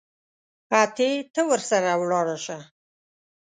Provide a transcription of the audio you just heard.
اتې ته ورسره ولاړ سه.